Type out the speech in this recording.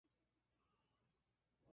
cantas fandangos